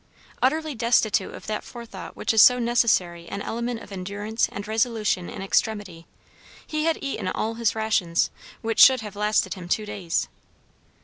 Utterly destitute of that forethought which is so necessary an element of endurance and resolution in extremity, he had eaten all his rations, which should have lasted him two days.